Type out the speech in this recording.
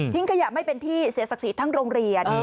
ขยะไม่เป็นที่เสียศักดิ์ศรีทั้งโรงเรียน